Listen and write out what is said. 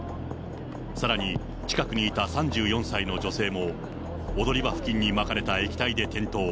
さらに近くにいた３４歳の女性も、踊り場付近にまかれた液体で転倒。